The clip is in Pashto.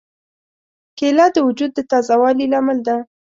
کېله د وجود د تازه والي لامل ده.